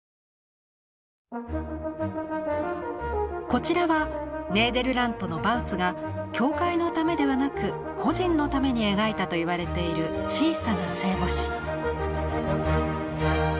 こちらはネーデルラントのバウツが教会のためではなく個人のために描いたと言われている小さな聖母子。